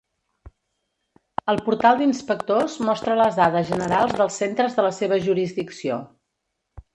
El portal d'inspectors mostra les dades generals dels centres de la seva jurisdicció.